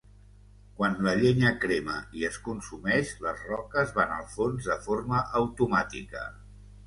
Quan la llenya crema i es consumeix les roques van al fons de forma automàtica.